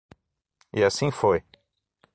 E assim foi.